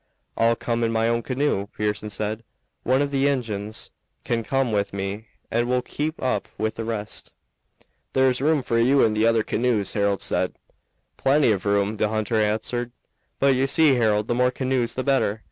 "I'll come in my own canoe," Pearson said. "One of the Injuns can come with me and we'll keep up with the rest." "There is room for you in the other canoes," Harold said. "Plenty of room," the hunter answered. "But you see, Harold, the more canoes the better.